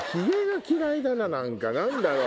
何だろう？